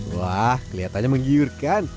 wah kelihatannya menggiurkan